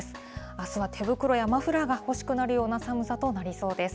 あすは手袋やマフラーが欲しくなるような寒さとなりそうです。